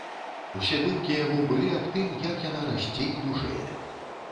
Усе думкі яго былі аб тым, як яна расце і дужэе.